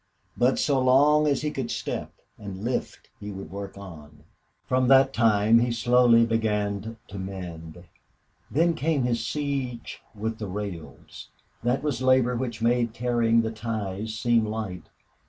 But so long as he could step and lift he would work on. From that time he slowly began to mend. Then came his siege with the rails. That was labor which made carrying ties seem light.